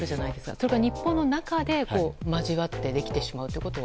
それが日本の中で交わってできてしまうことは。